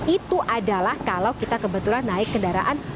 itu adalah kalau kita kebetulan naik kendaraan